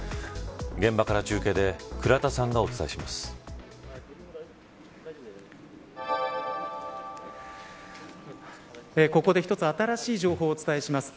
現場から中継で倉田さんがお伝えします。